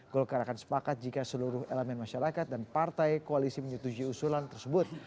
golkar akan sepakat jika seluruh elemen masyarakat dan partai koalisi menyetujui usulan tersebut